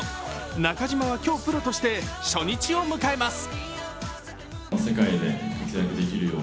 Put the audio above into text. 中島は今日、プロとして初日を迎えます。